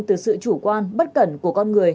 từ sự chủ quan bất cẩn của con người